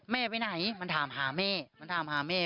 แม่ไปไหนมันถามหาแม่มันถามหาแม่